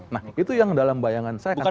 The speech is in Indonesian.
nah itu yang dalam bayangan saya akan